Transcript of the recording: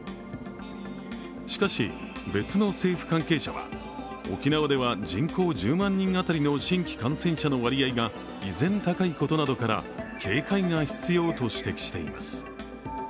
しかし、別の政府関係者は沖縄では人口１０万人当たりの新規感染者の割合が依然高いことなどから警戒が必要と指摘しています。